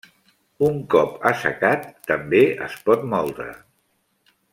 Un cop assecat també es pot moldre.